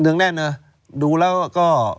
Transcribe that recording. เหนื่องแน่นดูแล้วก็